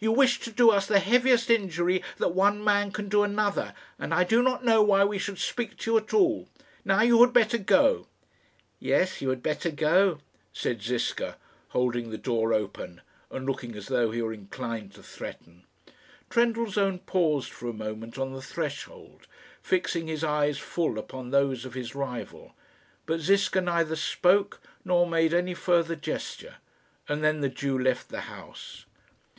You wish to do us the heaviest injury that one man can do another, and I do not know why we should speak to you at all. Now you had better go." "Yes; you had better go," said Ziska, holding the door open, and looking as though he were inclined to threaten. Trendellsohn paused for a moment on the threshold, fixing his eyes full upon those of his rival; but Ziska neither spoke nor made any further gesture, and then the Jew left the house.